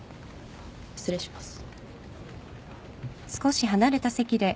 失礼します。